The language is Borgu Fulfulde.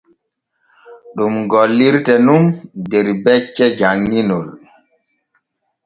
Ɗum gollirte nun der becce janŋinol f́́́́́́́.